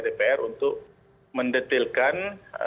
dpr untuk mendetilkan